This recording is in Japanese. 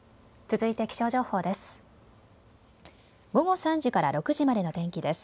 続いて気象情報です。